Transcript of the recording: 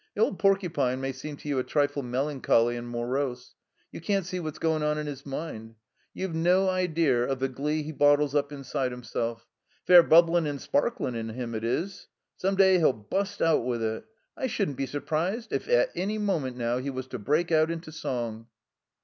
"The old Porcupine may seem to you a trifle melancholy and morose. You can't see what's goin' on in his mind. You've no ideer of the glee he bottles up inside himself. Pair bubblin' and sparklin' in him, it is. Some day he'll bust out with it. I shouldn't be surprised if, at any moment now, he was to break out into song."